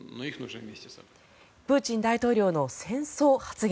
プーチン大統領の戦争発言